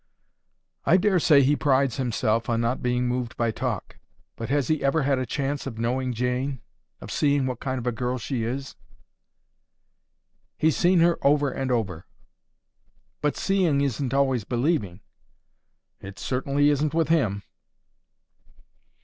"I daresay he prides himself on not being moved by talk. But has he ever had a chance of knowing Jane—of seeing what kind of a girl she is?" "He's seen her over and over." "But seeing isn't always believing." "It certainly isn't with him."